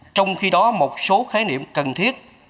trong khi đó một số khái niệm cần thiết